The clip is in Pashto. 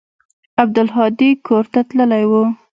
عبدالهادي کور ته تللى و.